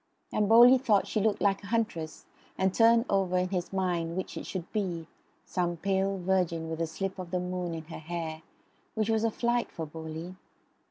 And Bowley thought she looked like a huntress and turned over in his mind which it should be some pale virgin with a slip of the moon in her hair, which was a flight for Bowley.